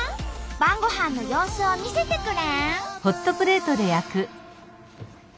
晩ごはんの様子を見せてくれん？